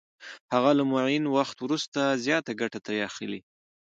هغه له معین وخت وروسته زیاته ګټه ترې اخلي